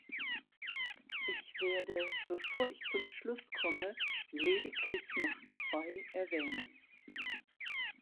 Ich werde, bevor ich zum Schluss komme, lediglich noch zwei erwähnen.